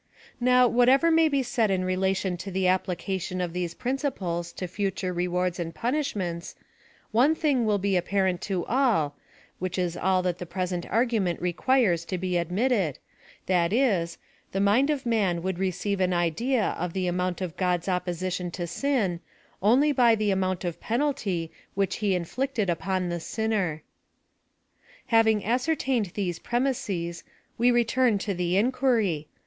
Now, whatever may be said in relation to the application of these principles to future rewards and punishments, one thing will be apparent to all, which is all that the present argument requires to be admitted, that is — the mind of man would re ceive an idea of tho amount of God's opposition to sin, only by the amount of penalty which he in flicted upon the sinner. Having ascertained these premises, we return to the inquiry.